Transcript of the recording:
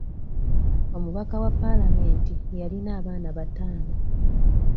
Omubaka wa palamenti yalina abaana bataano.